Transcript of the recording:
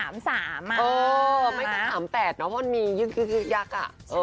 ไม่เป็น๓๘มันมียึดยักษ์